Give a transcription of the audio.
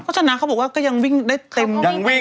ก็ชนะเขาบอกว่าก็ยังวิ่งได้เต็ม๙๐นาทีเลยยังวิ่งอยู่